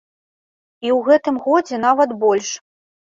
І ў гэтым годзе нават больш.